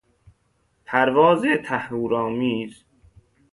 پروازتهور آمیز